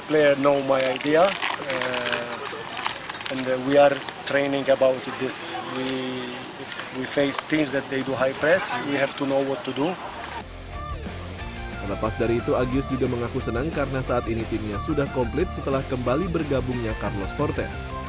lepas dari itu agius juga mengaku senang karena saat ini timnya sudah komplit setelah kembali bergabungnya carlos fortes